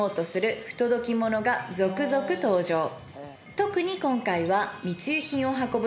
特に今回は。